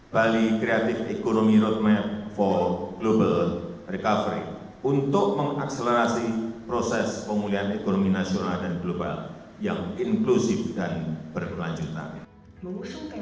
bali creative economy roadmap for global recovery untuk mengakselerasi proses pemulihan ekonomi nasional dan global yang inklusif dan berkelanjutan